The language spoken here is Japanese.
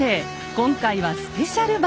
今回はスペシャル版！